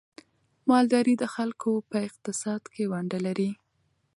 مالداري د خلکو په اقتصاد کې ونډه لري.